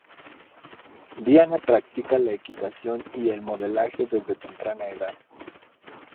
Diana practica la equitación y el modelaje desde temprana edad.